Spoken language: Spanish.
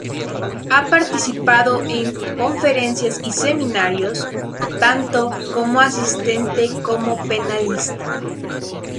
Ha participado en conferencias y seminarios, tanto como asistente como panelista.